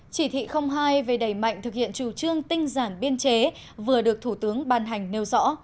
chỉ thị hai về đẩy mạnh thực hiện chủ trương tinh giản biên chế vừa được thủ tướng ban hành nêu rõ